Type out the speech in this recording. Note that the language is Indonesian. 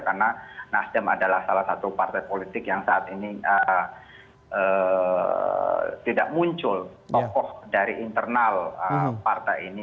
karena nasdem adalah salah satu partai politik yang saat ini tidak muncul tokoh dari internal partai ini